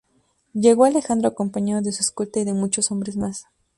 Llegó Alejandro acompañado de su escolta y de muchos hombres más.